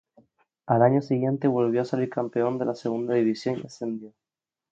Al año siguiente volvió a salir campeón de la Segunda División y ascendió.